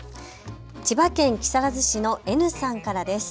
千葉県木更津市のＮさんからです。